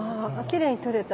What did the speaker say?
きれいに撮れた。